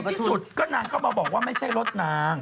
ที่สุดก็นางก็มาบอกว่าไม่ใช่รถนาง